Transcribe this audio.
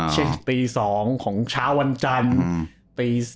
เช่นตี๒ของชาววันจันทร์